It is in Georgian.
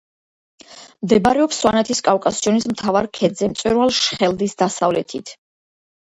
მდებარეობს სვანეთის კავკასიონის მთავარ ქედზე, მწვერვალ შხელდის დასავლეთით.